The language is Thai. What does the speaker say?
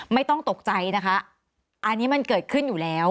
ไม่ต้องตกใจนะคะอันนี้มันเกิดขึ้นอยู่แล้ว